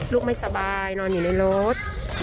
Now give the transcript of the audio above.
ลูกไม่สบายนอนอยู่ในรถ